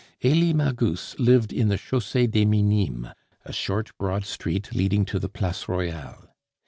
Elie Magus lived in the Chausee des Minimes, a short, broad street leading to the Place Royale.